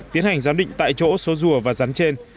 tiến hành giám định tại chỗ số rùa và rắn trên